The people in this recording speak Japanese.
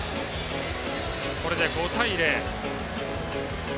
これで５対０。